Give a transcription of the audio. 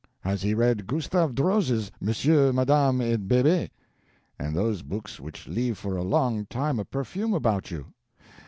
Has he read Gustave Droz's 'Monsieur, Madame, et Bebe', and those books which leave for a long time a perfume about you?